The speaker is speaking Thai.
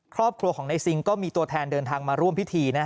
ครอบครัวของในซิงก็มีตัวแทนเดินทางมาร่วมพิธี